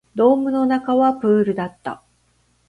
ドームの中はプールだった